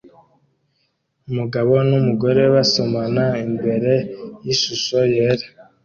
Umugabo numugore basomana imbere yishusho yera